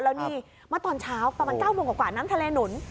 แล้วนี่เมื่อตอนเช้าประมาณ๙โมงกว่าน้ำทะเลหนุน